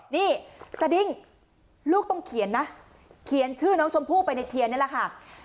นี่สดิ้งลูกต้องเขียนนะเขียนชื่อน้องชมพู่ไปในเทียนนี่แหละค่ะ